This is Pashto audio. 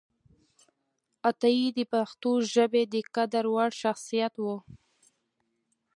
عطایي د پښتو ژبې د قدر وړ شخصیت و